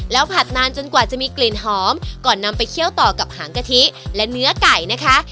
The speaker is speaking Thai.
ผัดนานจนกว่าจะมีกลิ่นหอมก่อนนำไปเคี่ยวต่อกับหางกะทิและเนื้อไก่นะคะ